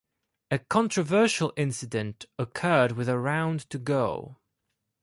A controversial incident occurred with around to go.